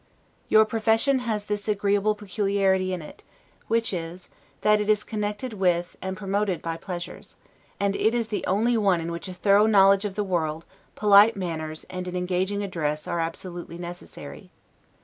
Your profession has this agreeable peculiarity in it, which is, that it is connected with, and promoted by pleasures; and it is the only one in which a thorough knowledge of the world, polite manners, and an engaging address, are absolutely necessary.